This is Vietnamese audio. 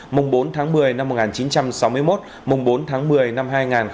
mùng bốn tháng một mươi năm một nghìn chín trăm sáu mươi một mùng bốn tháng một mươi năm hai nghìn hai mươi